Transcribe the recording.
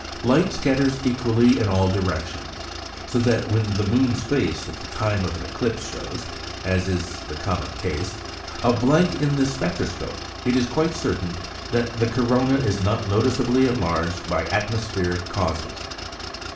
Light scatters equally in all directions; so that when the moon's face at the time of an eclipse shows (as is the common case) a blank in the spectroscope, it is quite certain that the corona is not noticeably enlarged by atmospheric causes.